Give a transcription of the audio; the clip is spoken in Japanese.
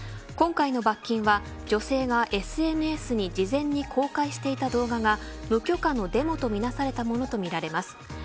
今回の罰金は、女性がＳＮＳに事前に公開していた動画が無許可のデモとみなされたものとみられます。